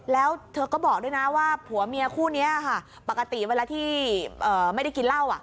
แล้วเธอก็บอกด้วยนะว่าผัวเมียคู่นี้ค่ะปกติเวลาที่ไม่ได้กินเหล้า